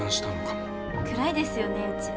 暗いですよねうち。